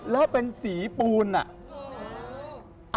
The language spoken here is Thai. แล้วเป็นสีปูนอ่ะ